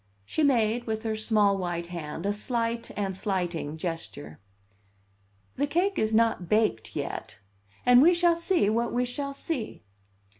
She made, with her small white hand, a slight and slighting gesture. "The cake is not baked yet, and we shall see what we shall see."